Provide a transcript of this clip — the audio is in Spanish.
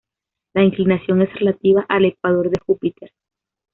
La inclinación es relativa al ecuador de Júpiter.